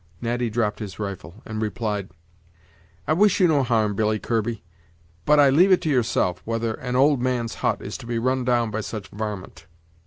Natty dropped his rifle, and replied: "I wish you no harm, Billy Kirby; but I leave it to yourself, whether an old man's hut is to be run down by such varmint.